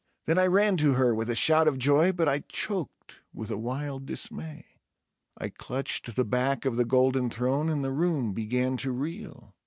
Then I ran to her with a shout of joy, but I choked with a wild dismay. I clutched the back of the golden throne, and the room began to reel